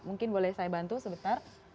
mungkin boleh saya bantu sebentar